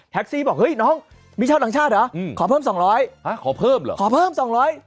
ซี่บอกเฮ้ยน้องมีชาวต่างชาติเหรออืมขอเพิ่มสองร้อยฮะขอเพิ่มเหรอขอเพิ่มสองร้อย